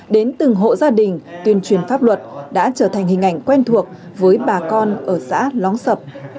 đến từng hộ gia đình tuyên truyền pháp luật đã trở thành hình ảnh quen thuộc với bà con ở xã lóng sập